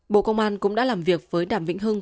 bộ công an cũng đã làm việc với đàm vĩnh hưng